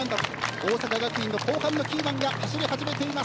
大阪学院の後半のキーマンが走り出しています。